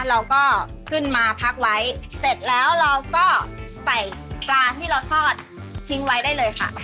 เราก็ขึ้นมาพักไว้เสร็จแล้วเราก็ใส่ปลาที่เราทอดทิ้งไว้ได้เลยค่ะ